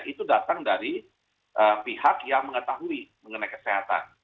itu datang dari pihak yang mengetahui mengenai kesehatan